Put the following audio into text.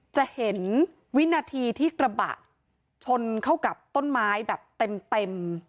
จะเห็นวินาทีที่กระบะชนเข้ากับต้นไม้แบบเต็ม